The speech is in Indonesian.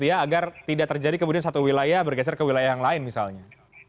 agar tidak terjadi kemudian satu wilayah bergeser ke wilayah yang lain misalnya